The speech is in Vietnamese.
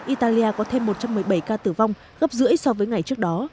italia có thêm một trăm một mươi bảy ca tử vong gấp rưỡi so với ngày trước đó